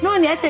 nuh nih aja ya